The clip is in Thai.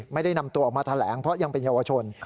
ไม่ได้นำตัวออกมาแถลงเพราะยังเป็นเยาวชน